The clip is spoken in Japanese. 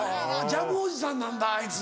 ジャムおじさんなんだあいつ。